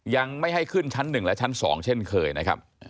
ยังไม่ให้ขึ้นชั้น๑และชั้น๒เช่นเคยนะครับ